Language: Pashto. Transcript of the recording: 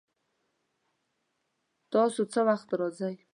تاسو څه وخت راځئ؟